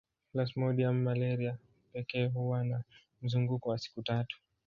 Plasmodium malaria pekee huwa na mzunguko wa siku tatu